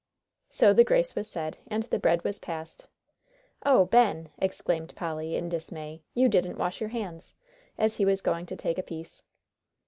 So the grace was said, and the bread was passed. "Oh, Ben!" exclaimed Polly, in dismay, "you didn't wash your hands!" as he was going to take a piece.